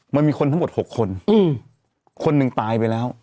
มันมีคนทั้งหมด๖คนคนหนึ่งตายไปแล้ว